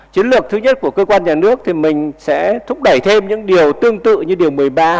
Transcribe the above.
chiến lược thứ nhất của cơ quan nhà nước thì mình sẽ thúc đẩy thêm những điều tương tự như điều một mươi ba